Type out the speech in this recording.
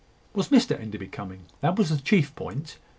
Was Mr Enderby coming? that was the chief point.